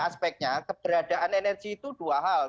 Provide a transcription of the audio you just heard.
aspeknya keberadaan energi itu dua hal